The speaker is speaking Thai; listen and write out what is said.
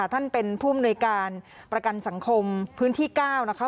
ท่านเป็นผู้มนุยการประกันสังคมพื้นที่๙นะคะ